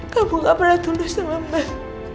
kamu gak pernah tulus sama mbak